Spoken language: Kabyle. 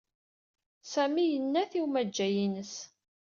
Sami yenna-t i umajjay-ines.